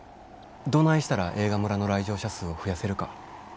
どないしたら映画村の来場者数を増やせるか。